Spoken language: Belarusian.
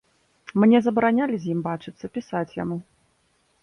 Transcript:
Мне забаранялі з ім бачыцца, пісаць яму.